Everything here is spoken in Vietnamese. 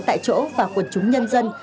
tại chỗ và quần chúng nhân dân